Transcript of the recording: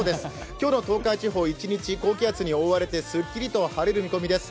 今日の東海地方、一日、高気圧に覆われてすっきりと晴れそうです。